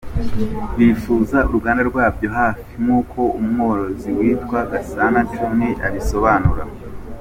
Bifuza uruganda rwabyo hafi; nkuko umworozi witwa Gasana John abisobanura.